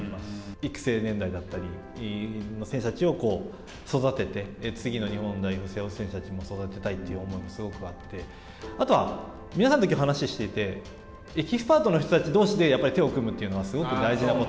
育成年代だったり、選手たちを育てて、次の日本代表の選手を育てたいという思いもすごくあって、あとは、皆さんときょう話をしていて、エキスパートの人たちどうしで手を組むって、いいこと。